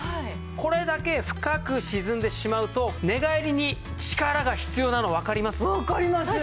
これだけ深く沈んでしまうと寝返りに力が必要なのわかります？わかります。